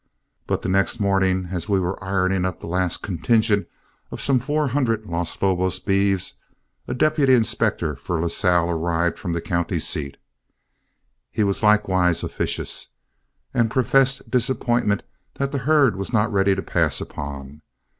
But the next morning, as we were ironing up the last contingent of some four hundred Los Lobos beeves, a deputy inspector for Lasalle arrived from the county seat. He was likewise officious, and professed disappointment that the herd was not ready to pass upon.